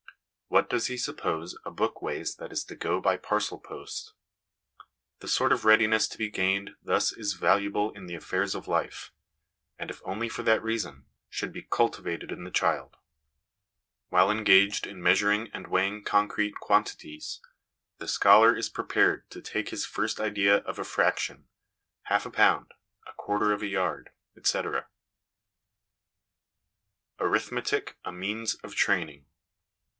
What does he suppose a book weighs that is to go by parcel post ? The sort of readiness to be gained thus is valuable in the affairs of life, and, if only for that reason, should be cultivated in the child. While engaged in measur ing and weighing concrete quantities, the scholar is prepared to take in his first idea of a ' fraction,' half a pound, a quarter of a yard, etc. Arithmetic a Means of Training.